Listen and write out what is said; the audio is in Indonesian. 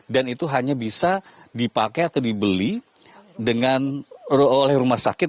dan itu hanya bisa dipakai atau dibeli dengan rumah sakit